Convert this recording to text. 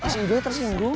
si ijo tersenggung